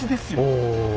お。